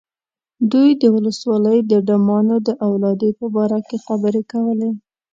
دوی د ولسوالۍ د ډمانو د اولادې په باره کې خبرې کولې.